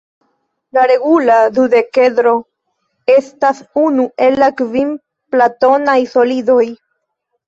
La regula dudekedro estas unu el la kvin platonaj solidoj.